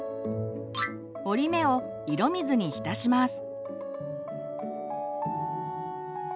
折り目を色水に浸します。